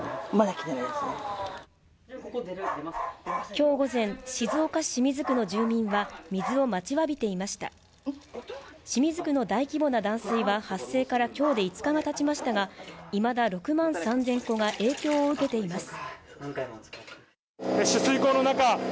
今日午前静岡市清水区の住民は水を待ちわびていました清水区の大規模な断水は発生からきょうで５日がたちましたがいまだ６万３０００戸が影響を受けています